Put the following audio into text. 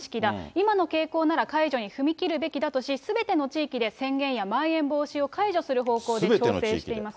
今の傾向なら解除に踏み切るべきだとし、すべての地域で宣言やまん延防止を解除する方向で調整しています。